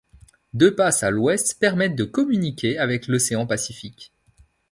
Deux passes à l'ouest permettent de communiquer avec l'océan Pacifique.